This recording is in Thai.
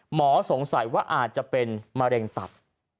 หมอสงสัยว่าอาจจะเป็นมะเร็งตับ